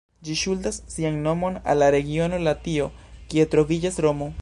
Ĝi ŝuldas sian nomon al la regiono Latio, kie troviĝas Romo.